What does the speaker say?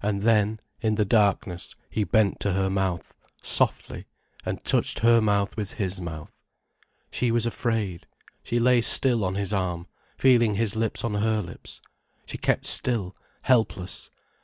And then, in the darkness, he bent to her mouth, softly, and touched her mouth with his mouth. She was afraid, she lay still on his arm, feeling his lips on her lips. She kept still, helpless.